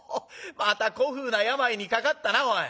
また古風な病にかかったなおい。